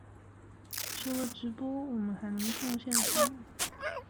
除了直播，我們還能貢獻什麼？